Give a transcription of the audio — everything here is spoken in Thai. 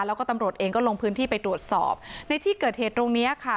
แล้วก็ตำรวจเองก็ลงพื้นที่ไปตรวจสอบในที่เกิดเหตุตรงเนี้ยค่ะ